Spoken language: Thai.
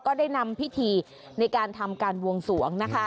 ได้นำพิธีในการทำการบวงสวงนะคะ